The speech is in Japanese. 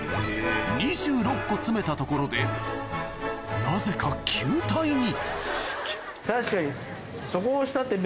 ２６個詰めたところでなぜか球体に確かに。